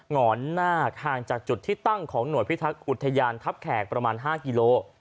หอนนาคห่างจากจุดที่ตั้งของหน่วยพิทักษ์อุทยานทัพแขกประมาณ๕กิโล